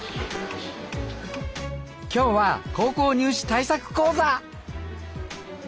今日は高校入試対策講座。